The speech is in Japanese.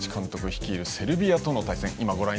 率いるセルビアとの対戦。